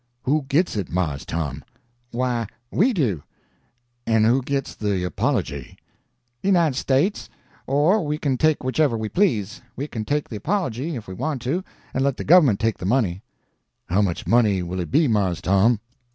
"Who gits it, Mars Tom?" "Why, we do." "En who gits de apology?" "The United States. Or, we can take whichever we please. We can take the apology, if we want to, and let the gov'ment take the money." "How much money will it be, Mars Tom?"